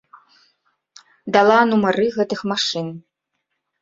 Дала нумары гэтых машын.